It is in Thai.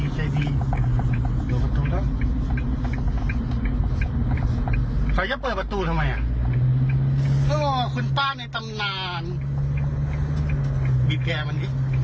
ใครก็เปิดประตูทำไมครูพ่อนในตำงาน